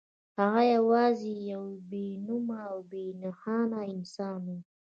هغه یوازې یو بې نومه او بې نښانه انسان و